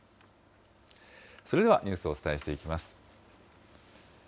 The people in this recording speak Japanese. それではニュースをお伝えしていきます。